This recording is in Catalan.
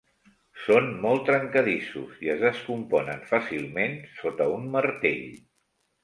Són molt trencadissos i es descomponen fàcilment sota un martell.